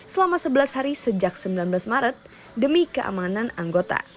selama sebelas hari sejak sembilan belas maret demi keamanan anggota